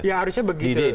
ya harusnya begitu